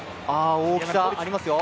大きさありますよ。